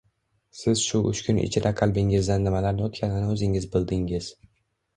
Shu uch kun ichida qalbingizdan nimalar oʻtganini oʻzingiz bildingiz